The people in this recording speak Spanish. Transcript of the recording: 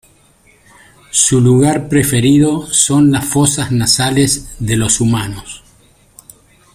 Su lugar preferido son las fosas nasales de los humanos.